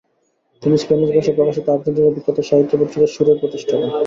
তিনি স্প্যানিশ ভাষায় প্রকাশিত আর্জেন্টিনার বিখ্যাত সাহিত্য পত্রিকা সুর এর প্রতিষ্ঠাতা।